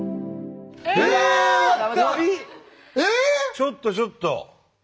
ちょっとちょっと。